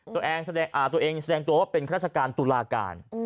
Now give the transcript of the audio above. ตัวเองแสดงตัวว่าเป็นราชการตุลาการ